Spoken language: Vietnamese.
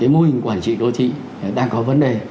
mô hình quản trị đô thị đang có vấn đề